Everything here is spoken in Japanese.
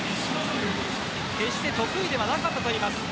決して得意ではなかったと思います。